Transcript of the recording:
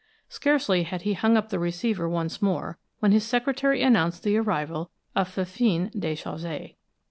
Scarcely had he hung up the receiver once more when his secretary announced the arrival of Fifine Déchaussée.